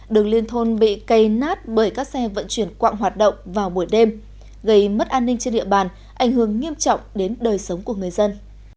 đường liên thôn bị cây nát bởi các xe vận chuyển quạng hoạt động vào buổi đêm gây mất an ninh trên địa bàn ảnh hưởng nghiêm trọng đến đời sống của người dân